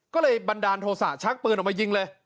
ก็เลยบันดาลโทษะชักปืนออกมายิงเลย